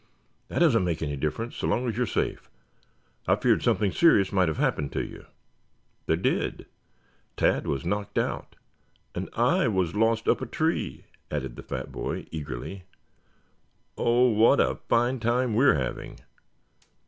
"That doesn't make any difference so long as you are safe. I feared something serious might have happened to you." "There did. Tad was knocked out and I was lost up a tree," added the fat boy eagerly. "Oh, what a fine time we're having!"